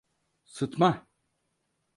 Sıtma!